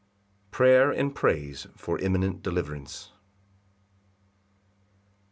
Prayer and Praise for eminent deliverance.